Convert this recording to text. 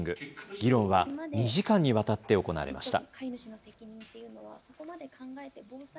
議論は２時間にわたって行われました。